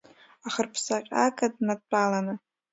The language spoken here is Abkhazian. Ахырԥсаҟьага днадтәаланы.